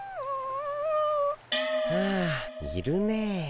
ああいるね。